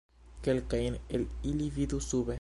Kelkajn el ili vidu sube.